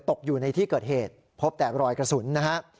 ตกอยู่ในที่เกิดเหตุพบแต่รอยกระสุนนะฮะ